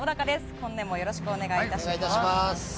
本年もよろしくお願いします。